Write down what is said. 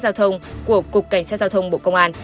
giao thông của cục cảnh sát giao thông bộ công an